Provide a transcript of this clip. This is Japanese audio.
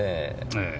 ええ。